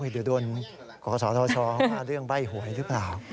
เดี๋ยวโดนกศธชว่าเรื่องใบ้หวยหรือเปล่า